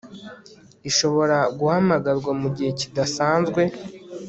ishobora guhamagarwa mu gihe kidasanzwe